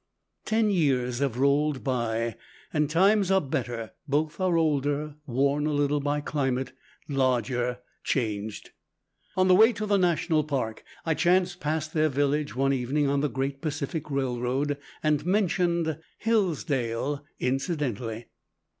Ten years have rolled by, and times are better; both are older, worn a little by climate, larger, changed. On the way to the National Park I chanced past their village one evening on the great Pacific Railroad, and mentioned "Hillsdale" incidentally.